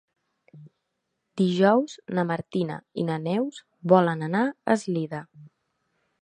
Dijous na Martina i na Neus volen anar a Eslida.